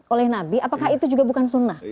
oleh nabi apakah itu juga bukan sunnah